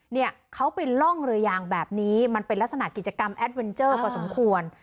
เนี้ยเขาไปล่องเรือยางแบบนี้มันเป็นลักษณะกิจกรรมพอสมควร